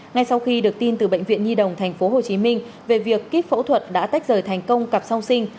ngay sau khi được tin từ bệnh viện nhi đồng tp hcm về việc kíp phẫu thuật đã tách rời thành công cặp sau sinh